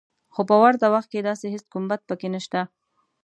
خو په ورته وخت کې داسې هېڅ کوم بد پکې نشته